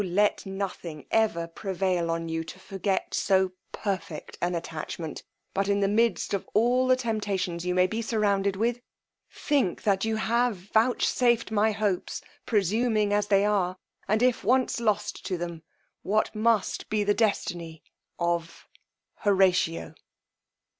let nothing ever prevail on you to forget so perfect an attachment; but in the midst of all the temptations you may be surrounded with, think that you have vouch safed to encourage my hopes, presuming as they are, and if once lost to them, what must be the destiny of HORATIO."